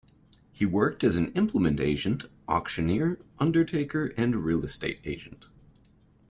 He worked as an implement agent, auctioneer, undertaker and real estate agent.